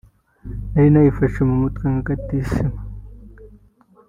nari nayifashe mu mutwe nka Gatisimu